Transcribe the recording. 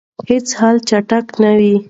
هیڅ حل چټک نه وي.